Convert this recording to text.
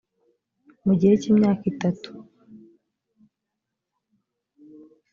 mu gihe cy imyaka itatu